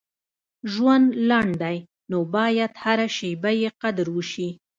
• ژوند لنډ دی، نو باید هره شیبه یې قدر وشي.